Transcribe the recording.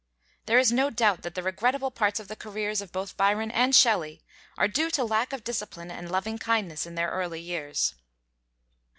There is no doubt that the regrettable parts of the careers of both Byron and Shelley are due to lack of discipline and loving kindness in their early years.